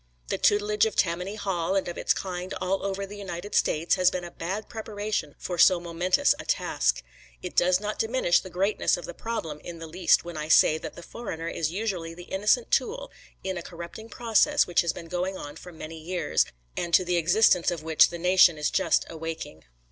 The tutelage of Tammany Hall and of its kind all over the United States has been a bad preparation for so momentous a task. It does not diminish the greatness of the problem in the least when I say that the foreigner is usually the innocent tool, in a corrupting process which has been going on for many years, and to the existence of which the nation is just awaking.